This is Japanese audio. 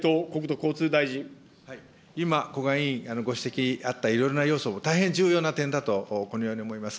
今、古賀委員、ご指摘あったいろいろな要素も大変重要な点だと、このように思います。